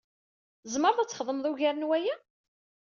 Tzemreḍ ad txedmeḍ ugar n waya?